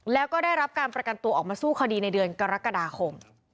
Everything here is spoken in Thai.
แล้วก็ได้รับการประกันตัวออกมาสู้คดีในเดือนกรกฎาคม